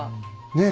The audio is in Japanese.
ねえ。